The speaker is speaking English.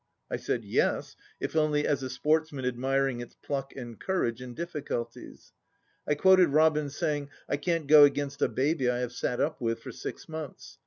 I said, "Yes, if only as a sportsman ad miring its pluck and courage in difficulties." I quoted Robins' saying, "I can't go against a baby I have sat up with for six months.